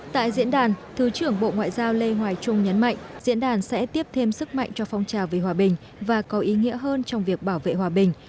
tại diễn đàn thứ trưởng bộ ngoại giao lê hoài trung nhấn mạnh diễn đàn sẽ tiếp thêm sức mạnh cho phong trào về hòa bình và có ý nghĩa hơn trong việc bảo vệ hòa bình